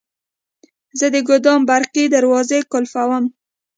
زه د ګودام برقي دروازې قلفووم.